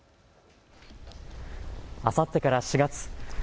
あさってから４月。